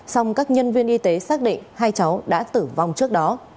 song các nhân viên y tế xác định hai cháu đã tử vong trước đó